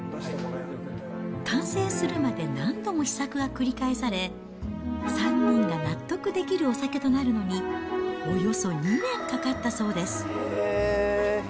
完成するまで何度も試作が繰り返され、３人が納得できるお酒となるのに、およそ２年かかったそうです。